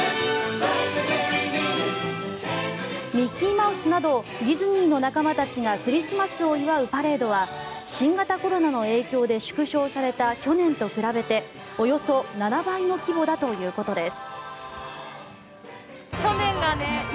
ミッキーマウスなどディズニーの仲間たちがクリスマスを祝うパレードは新型コロナの影響で縮小された去年と比べておよそ７倍の規模だということです。